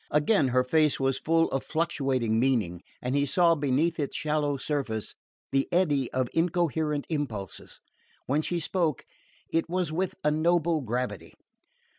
Again her face was full of fluctuating meaning; and he saw, beneath its shallow surface, the eddy of incoherent impulses. When she spoke, it was with a noble gravity.